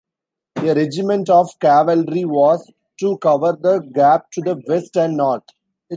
A regiment of cavalry was to cover the gap to the west and north.